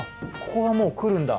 ここがもう来るんだ。